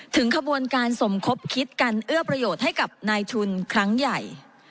ขบวนการสมคบคิดกันเอื้อประโยชน์ให้กับนายทุนครั้งใหญ่